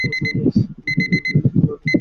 আমি একটা লাঠি হাতে নিলাম।